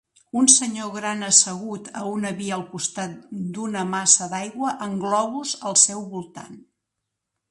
Un senyor gran assegut a una via al costat d'una massa d'aigua amb globus al seu voltant.